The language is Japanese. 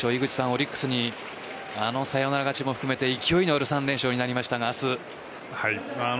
オリックスにあのサヨナラ勝ちも含めて勢いのある３連勝になりましたが明日。